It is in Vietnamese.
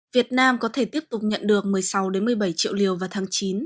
việt nam có thể tiếp tục nhận được một mươi sáu một mươi bảy triệu liều vào tháng chín